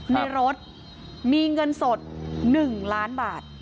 ในรถมีเงินสด๑ล้านบาท